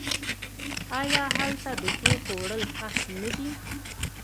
آیا هلته د توکو وړل سخت نه دي؟